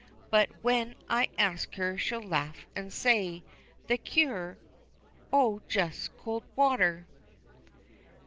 But when I ask her, she'll laugh and say, "The cure! O just cold water!"